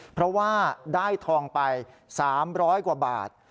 เพราะว่าได้ทองไป๓๐๐กว่าบาท